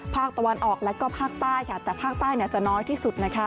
ภาคตะวันออกและก็ภาคใต้ค่ะแต่ภาคใต้จะน้อยที่สุดนะคะ